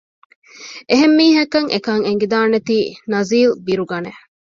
އެހެންމީހަކަށް އެކަން އެނގިދާނެތީ ނަޒީލް ބިރުގަނެ